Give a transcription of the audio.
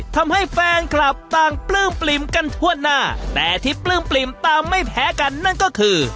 ทำให้แฟนคลับต่างปลื้มปลิ่มกันทั่วหน้าแต่ที่ปลื้มปลิ่มตามไม่แพ้กันนั่นก็คือ